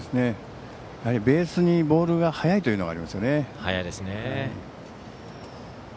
やはりベースにボールが速いというのがありますよね。